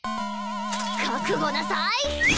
覚悟なさい！